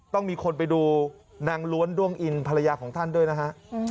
ต้องมีคนไปดูนางล้วนด้วงอินภรรยาของท่านด้วยนะฮะ